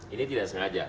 ini tidak sengaja